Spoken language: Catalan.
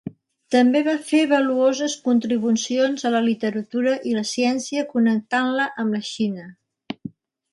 També va fer valuoses contribucions a la literatura i la ciència connectant-la amb la Xina.